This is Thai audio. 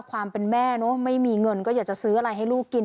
ความเป็นแม่เนอะไม่มีเงินก็อยากจะซื้ออะไรให้ลูกกิน